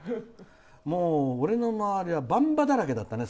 もう俺の周りはばんばだらけだったね。